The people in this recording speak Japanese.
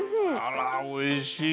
おいしい！